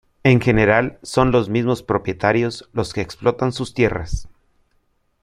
En general son los mismos propietarios los que explotan sus tierras.